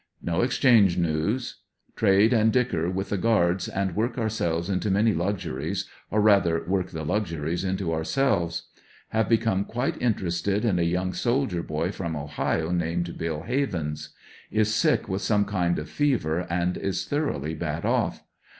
No exchange news. Trade and dicker with the guards and work ourselves into many luxuries, or rather work the luxuries into ourselves. Have become quite interested in a young soldier boy from Ohio named Bill Havens. Is sick with some kind of fever and is thoroughly bad off.